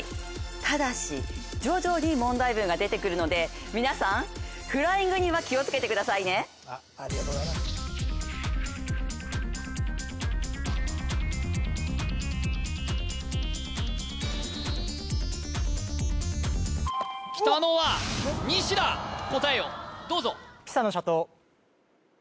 ただし徐々に問題文が出てくるので皆さんフライングには気をつけてくださいねきたのは西だ答えをどうぞよっしゃあ！